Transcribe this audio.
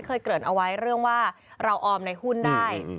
เกริ่นเอาไว้เรื่องว่าเราออมในหุ้นได้